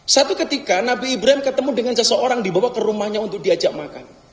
satu ketika nabi ibrahim ketemu dengan seseorang dibawa ke rumahnya untuk diajak makan